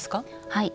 はい。